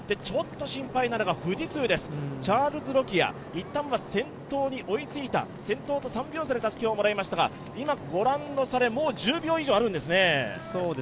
ちょっと心配なのが富士通です、チャールズ・ロキア、いったんは先頭に追いついた、先頭と３秒差でたすきをもらいましたが今、御覧の差でもう１０秒以上あるんですね。